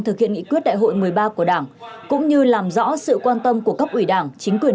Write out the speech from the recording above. thực hiện nghị quyết đại hội một mươi ba của đảng cũng như làm rõ sự quan tâm của cấp ủy đảng chính quyền